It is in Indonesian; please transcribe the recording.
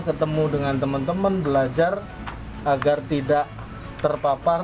ketemu dengan teman teman belajar agar tidak terpapar